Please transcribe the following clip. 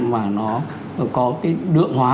mà nó có cái đượng hóa